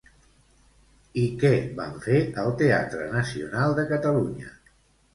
I què van fer al Teatre Nacional de Catalunya?